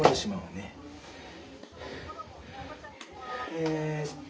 えっと